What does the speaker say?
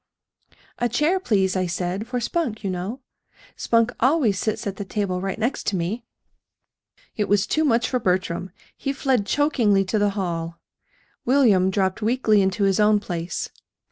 "A chair, please, I said, for Spunk, you know. Spunk always sits at the table right next to me." It was too much for Bertram. He fled chokingly to the hall. William dropped weakly into his own place.